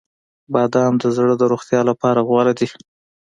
• بادام د زړه د روغتیا لپاره غوره دي.